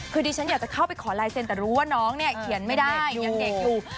คือดิฉันอยากจะเข้าไปขอลายเซ็นแต่รู้ว่าน้องเนี่ยเขียนไม่ได้ยังเด็กอยู่